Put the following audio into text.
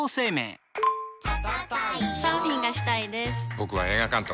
僕は映画監督。